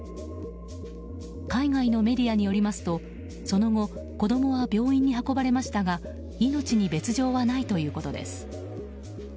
海外のメディアによりますとその後、子供は病院に運ばれましたが命に別条はないということです。